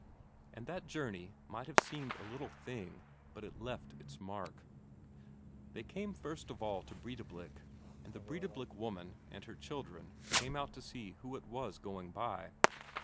And that journey might have seemed a little thing, but it left its mark. They came first of all to Breidablik, and the Breidablik woman and her children came out to see who it was going by.